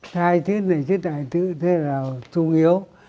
hai thứ này hai thứ thế là trung yếu